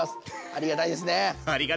ありがたいですね。